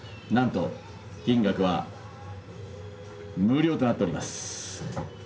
なんと金額は無料となっております。